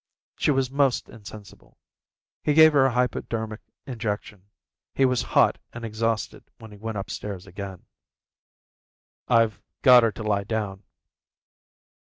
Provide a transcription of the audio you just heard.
She was almost insensible. He gave her a hypodermic injection. He was hot and exhausted when he went upstairs again. "I've got her to lie down."